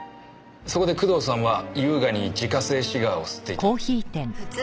そこで工藤さんは優雅に自家製シガーを吸っていたんです。